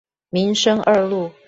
民生二路